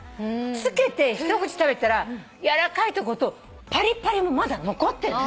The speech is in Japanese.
つけて一口食べたらやわらかいとことパリパリもまだ残ってる。